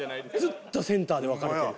ずっとセンターで分かれてる。